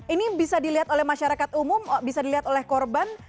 ini bisa dilihat oleh masyarakat umum bisa dilihat oleh korban